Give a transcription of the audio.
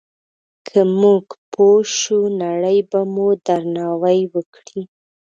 که موږ پوه شو، نړۍ به مو درناوی وکړي.